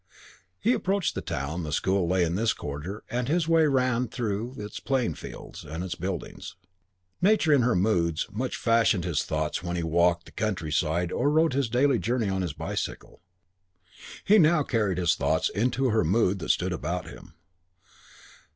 II He approached the town. The school lay in this quarter and his way ran through its playing fields and its buildings. Nature in her moods much fashioned his thoughts when he walked the countryside or rode his daily journey on his bicycle. He now carried his thoughts into her mood that stood about him.